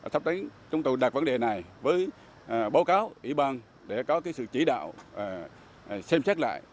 sắp tới chúng tôi đặt vấn đề này với báo cáo ủy ban để có sự chỉ đạo xem xét lại